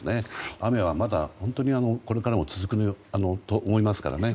雨はまだ本当にこれからも続くと思いますからね。